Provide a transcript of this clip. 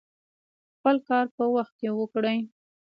خپل کار په وخت وکړئ